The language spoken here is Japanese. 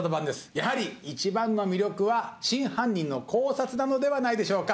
やはり一番の魅力は真犯人の考察なのではないでしょうか。